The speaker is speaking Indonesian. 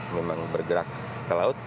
memang bergerak ke laut